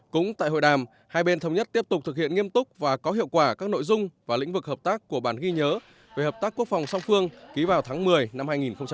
cũng tại hội đàm hai bên thống nhất tiếp tục thực hiện nghiêm túc và có hiệu quả các nội dung và lĩnh vực hợp tác của bản ghi nhớ về hợp tác quốc phòng song phương ký vào tháng một mươi năm hai nghìn một mươi chín